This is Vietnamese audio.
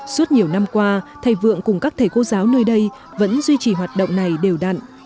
suốt nhiều năm qua thầy vượng cùng các thầy cô giáo nơi đây vẫn duy trì hoạt động này đều đặn